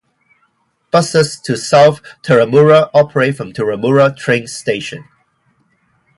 Buses to South Turramurra operate from Turramurra train station.